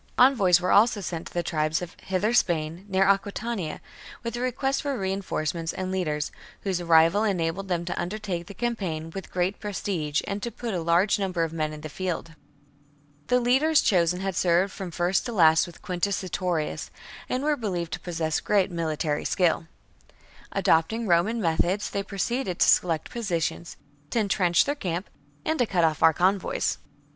Envoys were also sent to the tribes of Hither Spain, near Aquitania, with a request for reinforcements and leaders, whose arrival enabled them to undertake the campaign with great prestige and to put a large number of men in the field. The leaders chosen had served from first to last with Quintus Sertorius,^ and were believed to possess great military skill. Adopting Roman methods, they proceeded to select positions, to entrench their camp, and to cut off our convoys.